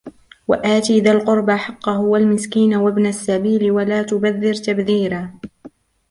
وَآتِ ذَا الْقُرْبَى حَقَّهُ وَالْمِسْكِينَ وَابْنَ السَّبِيلِ وَلَا تُبَذِّرْ تَبْذِيرًا